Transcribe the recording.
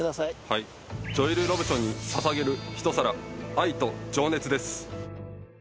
はいジョエル・ロブションに捧げる一皿愛と情熱です